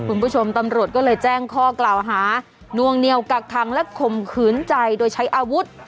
คุณผู้ชมตำรวจก็เลยแจ้งข้อกล่าวหานวงเหนียวกักคังและข่มขืนใจโดยใช้อาวุธ